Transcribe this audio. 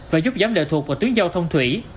và giúp giám lệ thuộc vào tuyến giao thông thủy